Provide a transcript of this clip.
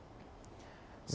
giảm thuế bất kỳ